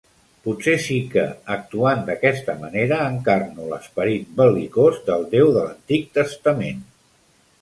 Potser sí que, actuant d'aquesta manera, encarno l'esperit bel·licós del Déu de l'Antic Testament.